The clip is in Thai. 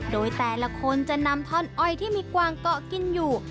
โดยแต่ละคนจะนำท่อนอ้อยที่มีกวางเกาะกินอยู่